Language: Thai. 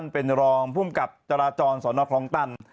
เป็นรองภูมิกับจราจรสอนอคลองตัน